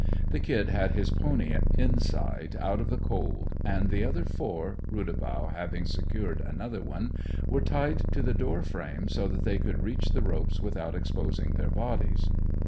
The 'Kid' had his pony inside, out of the cold and the other four Rudabaugh having secured another one were tied to the door frame so that they could reach the ropes without exposing their bodies.